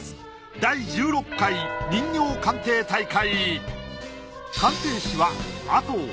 第１６回人形鑑定大会！